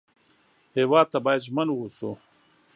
هېواد ته باید ژمن و اوسو